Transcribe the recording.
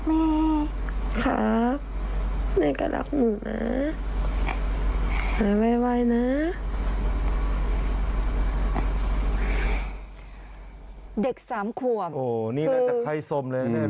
นี่แน่จากใครสมเลยนะ